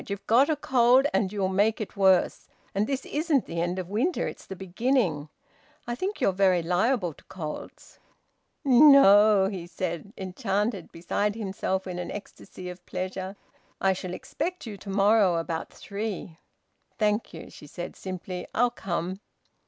You've got a cold and you'll make it worse, and this isn't the end of winter, it's the beginning; I think you're very liable to colds." "N no!" he said, enchanted, beside himself in an ecstasy of pleasure. "I shall expect you to morrow about three." "Thank you," she said simply. "I'll come."